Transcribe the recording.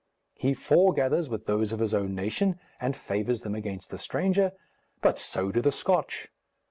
He foregathers with those of his own nation, and favours them against the stranger, but so do the Scotch.